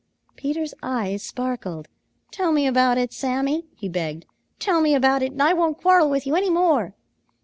Peter's eyes sparkled. "Tell me about it, Sammy," he begged. "Tell me about it, and I won't quarrel with you any more."